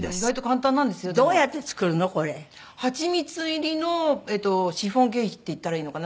蜂蜜入りのシフォンケーキって言ったらいいのかな？